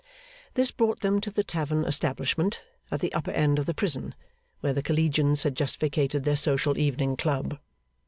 This brought them to the tavern establishment at the upper end of the prison, where the collegians had just vacated their social evening club.